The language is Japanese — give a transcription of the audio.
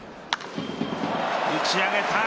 打ち上げた。